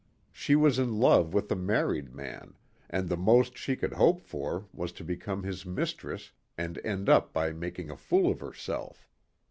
She was in love with a married man and the most she could hope for was to become his mistress and end up by making a fool of herself.